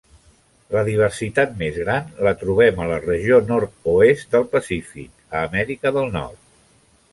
La diversitat més gran la trobem a la regió nord-oest del pacífic a Amèrica del Nord.